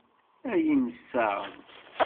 Ay imsaḍ!